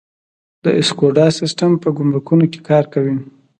د اسیکوډا سیستم په ګمرکونو کې کار کوي؟